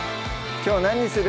きょう何にする？